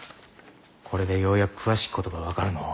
これでようやく詳しきことが分かるのう。